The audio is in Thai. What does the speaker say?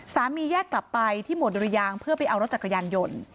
แยกกลับไปที่หมวดดุรยางเพื่อไปเอารถจักรยานยนต์